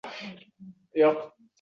Har bir murojaat nazoratdang